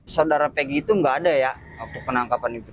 saudara pegi itu nggak ada ya waktu penangkapan itu